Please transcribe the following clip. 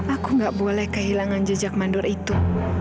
aku gak boleh kehilangan jejak mandor itu